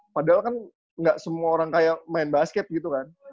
padahal kan gak semua orang kayak main basket gitu kan